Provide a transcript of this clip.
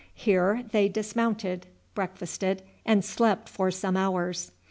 Here they dismounted, breakfasted, and slept for some hours.